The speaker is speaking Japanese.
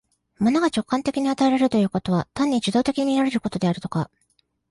物が直観的に与えられるということは、単に受働的に見られることであるとか、